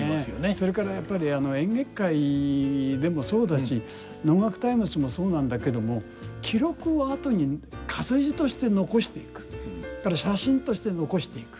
それからやっぱり「演劇界」でもそうだし「能樂タイムズ」もそうなんだけども記録を後に活字として残していく写真として残していく。